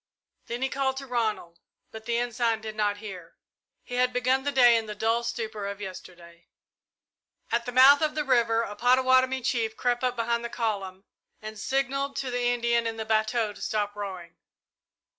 Then he called to Ronald, but the Ensign did not hear. He had begun the day in the dull stupor of yesterday. At the mouth of the river a Pottawattomie chief crept up behind the column and signalled to the Indian in the bateau to stop rowing.